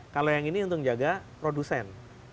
kalau yang ini untuk menjaga produsen